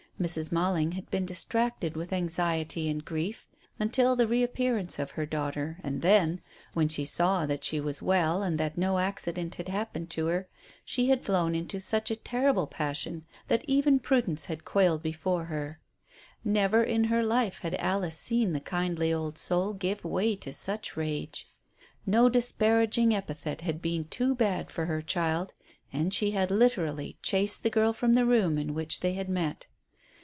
Mrs. Malling had been distracted with anxiety and grief until the re appearance of her daughter, and then, when she saw that she was well and that no accident had happened to her, she had flown into such a terrible passion that even Prudence had quailed before her. Never in her life had Alice seen the kindly old soul give way to such rage. No disparaging epithet had been too bad for her child, and she had literally chased the girl from the room in which they had met.